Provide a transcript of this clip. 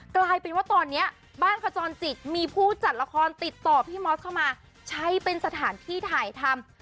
กลายเป็นว่าตอนนี้บ้านขจรจิตมีผู้จัดละครติดต่อพี่มอสเข้ามาใช้เป็นสถานที่ถ่ายทำ